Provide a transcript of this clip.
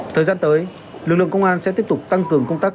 thời gian tới lực lượng công an sẽ tiếp tục tăng cường công tác